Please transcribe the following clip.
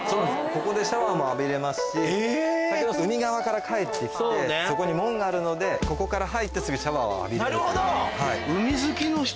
ここでシャワーも浴びれますし海側から帰って来てそこに門があるのでここから入ってすぐシャワーを浴びれる。